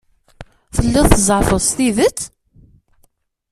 Telliḍ tzeɛfeḍ s tidet?